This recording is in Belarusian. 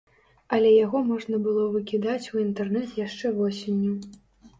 Але яго можна было выкідаць у інтэрнэт яшчэ восенню.